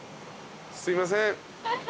すいません。